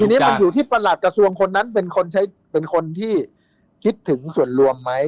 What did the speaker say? ทีนี้มันอยู่ที่ประหลัดกระทรวงคนนั้นเป็นคนใช้เป็นคนที่คิดถึงส่วนรวมไหม